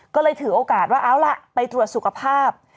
ก็เลยถือโอกาสว่าเอาล่ะไปตรวจสุขภาพ